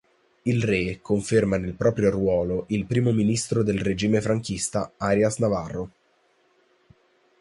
Il re conferma nel proprio ruolo il Primo ministro del regime franchista, Arias Navarro.